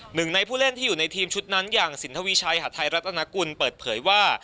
หนึ่งในผู้เล่นที่อยู่ในทีมชุดนั้นอย่างสินทวีชัยหาดไทยรัฐนากุลเปิดเผยว่า